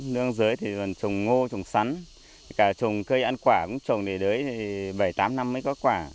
nước dưới thì trồng ngô trồng sắn trồng cây ăn quả cũng trồng để đấy bảy tám năm mới có quả